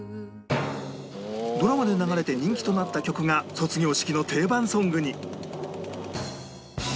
ドラマで流れて人気となった曲が卒業式の定番ソングに